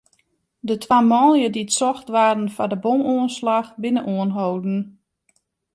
De twa manlju dy't socht waarden foar de bomoanslach, binne oanholden.